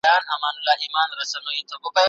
زه غواړم چې د وچو مېوو د ګټو په اړه ولولم.